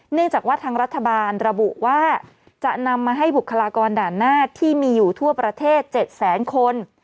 เนื่องจากว่าทางรัฐบาลระบุว่าจะนำมาให้บุคลากรด่านหน้าที่มีอยู่ทั่วประเทศ๗แสนคน